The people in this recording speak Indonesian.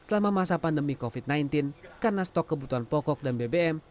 selama masa pandemi covid sembilan belas karena stok kebutuhan pokok dan bbm